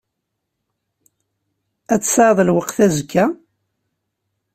Ad tesɛuḍ lweqt azekka?